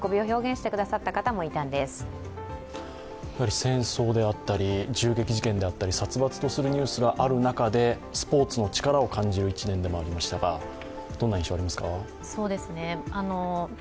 戦争であったり銃撃事件だったり殺伐とするニュースがあった中である中で、スポーツの力を感じる一年でもありましたがどんな印象をお持ちですか？